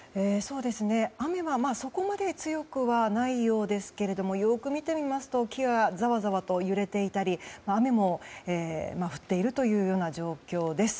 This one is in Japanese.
雨はそこまで強くはないようですけれどもよく見てみますと木がざわざわと揺れていたり雨も降っているというような状況です。